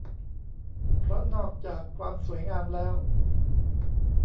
เพราะนอกจากความสวยงามแล้ว